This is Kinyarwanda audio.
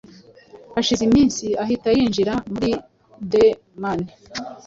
hashize iminsi ahita yinjira muri the mane